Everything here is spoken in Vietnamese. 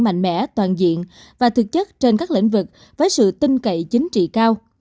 mạnh mẽ toàn diện và thực chất trên các lĩnh vực với sự tin cậy chính trị cao